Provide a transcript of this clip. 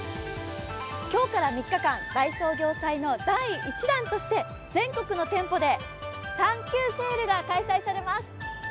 今日から３日間、大創業祭の第１弾として全国の店舗でサンキューセールが開催されます。